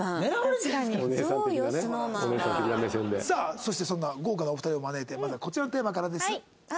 さあそしてこんな豪華なお二人を招いてまずはこちらのテーマからです。